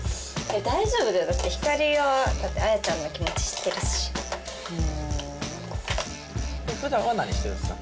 大丈夫だよだってひかりは綾ちゃんの気持ち知ってるしうんふだんは何してるんすか？